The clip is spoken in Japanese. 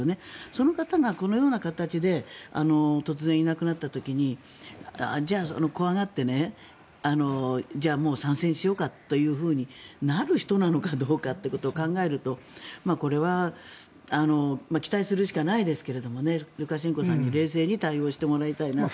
その方がこのような形で突然いなくなった時にじゃあ、怖がってもう参戦しようかというふうになる人なのかどうかっていうことを考えるとこれは期待するしかないですがルカシェンコさんに冷静に対応してもらいたいなと。